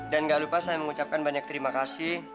dan gak lupa saya mengucapkan banyak terima kasih